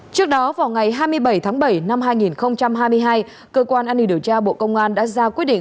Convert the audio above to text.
trước đó vào ngày hai mươi bảy tháng bảy năm hai nghìn hai mươi hai cơ quan an ninh điều tra bộ công an đã ra quyết định